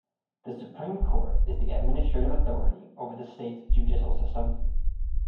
The Supreme Court is the administrative authority over the state's judicial system.